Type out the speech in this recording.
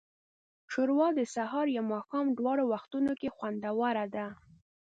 ښوروا د سهار یا ماښام دواړو وختونو کې خوندوره ده.